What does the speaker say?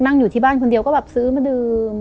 อยู่ที่บ้านคนเดียวก็แบบซื้อมาดื่ม